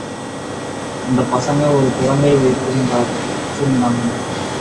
அந்தப் பசங்க ஒரு குரங்கை வைச்சிருந்தானுங்க.